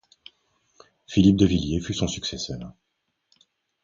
Philippe de Villiers fut son successeur.